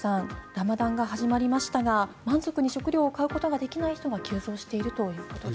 ラマダンが始まりましたが満足に食料を買うことができない人が急増しているということです。